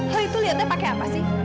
lo itu liatnya pake apa sih